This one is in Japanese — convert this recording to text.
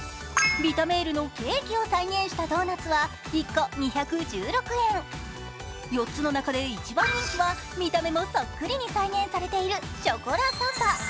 ヴィタメールのケーキを再現したドーナツは１個２１６円、４つの中で一番人気は見た目もそっくりに再現されているショコラサンバ。